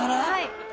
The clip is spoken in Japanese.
はい。